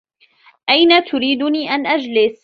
أين تريدني أن أجلس؟